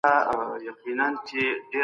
ما پخوا دا کیسه نه وه اورېدلې.